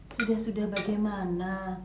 sudah sudah bagaimana